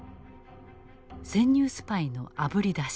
潜入スパイのあぶり出し